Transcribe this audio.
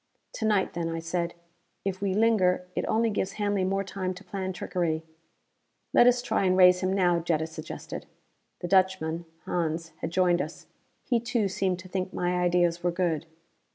"To night then," I said. "If we linger, it only gives Hanley more time to plan trickery." "Let us try and raise him now," Jetta suggested. The Dutchman, Hans, had joined us. He too, seemed to think my ideas were good.